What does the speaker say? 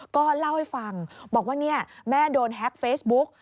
ก็เล่าให้ฟังบอกว่าเนี่ยแม่โดนแฮ็กเฟซบุ๊ก